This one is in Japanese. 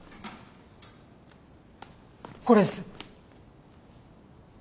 これです！